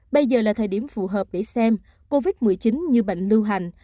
bây giờ là thời điểm phù hợp để xem covid một mươi chín như bệnh lưu hành